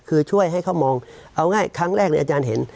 คือช่วยให้เขามองเอาง่ายครั้งแรกเลยอาจารย์เห็น